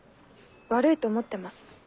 悪いと思ってます。